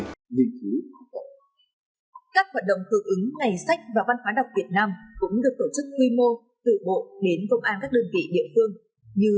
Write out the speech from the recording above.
các hoạt động tự ứng ngày sách và văn hóa đọc việt nam cũng được tổ chức quy mô từ bộ đến công an các đơn vị địa phương như